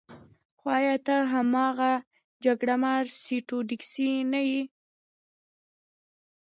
خو ایا ته هماغه جګړه مار سټیو ډیکسي نه یې